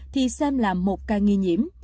thì xem làm một ca nghi nhiễm